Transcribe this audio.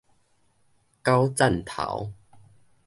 校欑頭